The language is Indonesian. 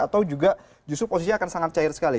atau juga justru posisi akan sangat cair sekali